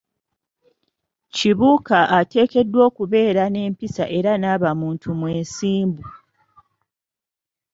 Kibuuka ateekeddwa okubeera n'empisa era n'aba muntu mwesimbu.